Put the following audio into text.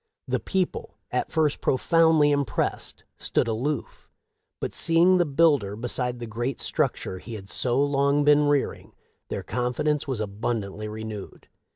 The people, at first profoundly impressed, stood aloof, but, seeing the builder beside the great structure he had so long been rearing, their confidence was abundantly renewed.